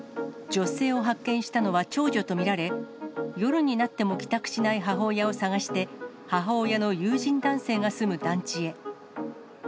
女性を発見したのは長女と見られ、夜になっても帰宅しない母親を捜して、母親の友人男性が住む団地へ。